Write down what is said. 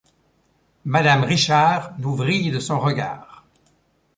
Madame Richards nous vrille de son regard.